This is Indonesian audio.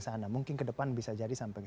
sana mungkin kedepan bisa jadi sampai